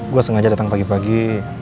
gue sengaja datang pagi pagi